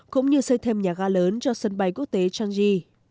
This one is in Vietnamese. cũng như xây thêm nhà ga lớn cho sân bay quốc tế changi